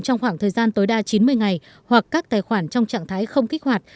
trong khoảng thời gian tối đa chín mươi ngày hoặc các tài khoản trong trạng thái không kích hoạt